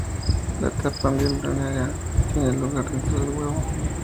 La etapa embrionaria tiene lugar dentro del huevo.